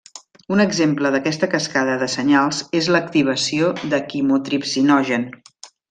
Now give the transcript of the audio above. Un exemple d’aquesta cascada de senyals és l’activació de quimotripsinogen.